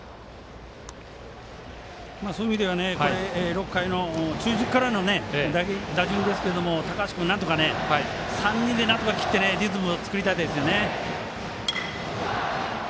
６回の中軸からの打順ですが高橋君、なんとか３人で、なんとか切ってリズムを作りたいですよね。